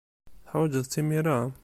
Teḥwajed-tt imir-a?